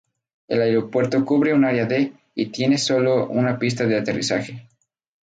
El aeropuerto cubre un área de y tiene sólo una pista de aterrizaje.